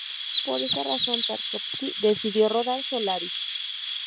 Por esa razón, Tarkovski decidió rodar "Solaris".